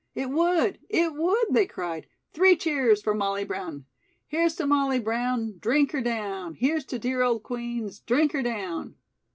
"It would! It would!" they cried. "Three cheers for Molly Brown!" "'Here's to Molly Brown, drink her down! Here's to dear old Queen's, drink her down.'"